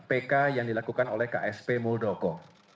pk yang dilakukan oleh ksp muldoko